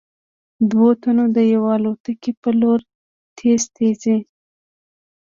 دوو تنو د يوې الوتکې په لور تېز تېز �